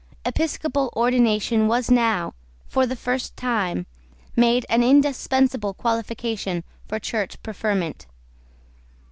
Episcopal ordination was now, for the first time, made an indispensable qualification for church preferment.